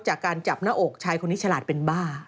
จากการจับหน้าอกชายคนนี้ฉลาดเป็นบ้า